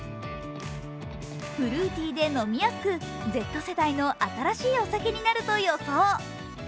フルーティーで飲みやすくＺ世代の新しいお酒になると予想。